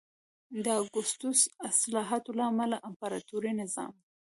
د اګوستوس اصلاحاتو له امله امپراتوري نظام